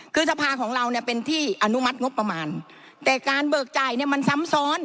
คือสภาของเราเนี่ยเป็นที่อนุมัติงบประมาณแต่การเบิกจ่ายเนี่ยมันซ้ำซ้อน